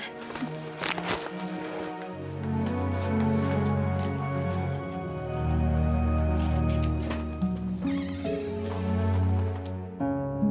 semoga mila tidak curiga